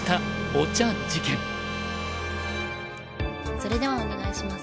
それではお願いします。